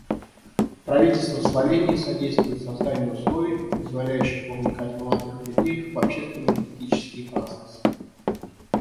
Правительство Словении содействует созданию условий, позволяющих вовлекать молодых людей в общественно-политические процессы.